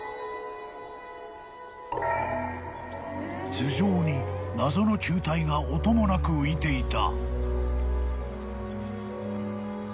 ［頭上に謎の球体が音もなく浮いていた］